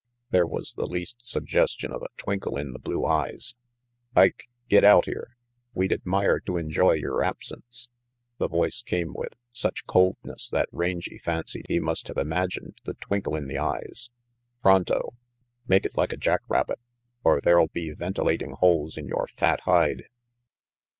There was the least suggestion of a twinkle in the blue eyes. "Ike, get out of here. We'd admire to enjoy your absence." The voice came with such coldness that Rangy fancied he must have imagined the twinkle in the eyes. "Pronto. Make it like a jack rabbit, or there'll be ventilating holes in your fat hide."